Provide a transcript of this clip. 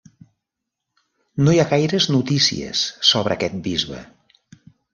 No hi ha gaires notícies sobre aquest bisbe.